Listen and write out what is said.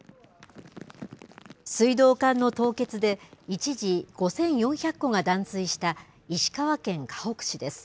水道管の凍結で一時、５４００戸が断水した石川県かほく市です。